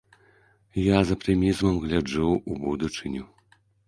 Я з аптымізмам гляджу ў будучыню!